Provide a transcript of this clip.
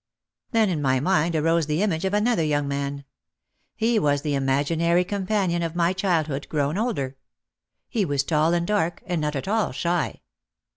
Then in my mind arose the image of another young man. He was the imaginary companion of my childhood grown older. He was tall and dark and not at all shy.